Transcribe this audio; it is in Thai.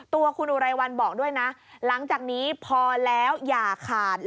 ตัวคุณอุไรวันบอกด้วยนะหลังจากนี้พอแล้วอย่าขาด